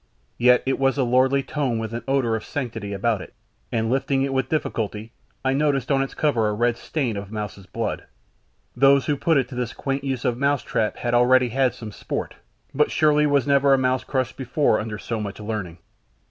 Yet it was a lordly tome with an odour of sanctity about it, and lifting it with difficulty, I noticed on its cover a red stain of mouse's blood. Those who put it to this quaint use of mouse trap had already had some sport, but surely never was a mouse crushed before under so much learning.